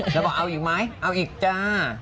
แล้วบอกเอาอีกไหมเอาอีกจ้า